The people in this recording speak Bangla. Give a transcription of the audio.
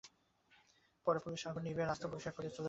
পরে পুলিশ আগুন নিভিয়ে রাস্তা পরিষ্কার করে যান চলাচল স্বাভাবিক করে।